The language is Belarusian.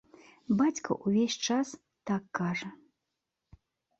Бацька ўвесь час так кажа.